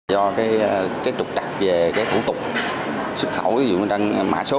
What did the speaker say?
do cái trục tạp về cái thủ tục xuất khẩu ví dụ như là mã số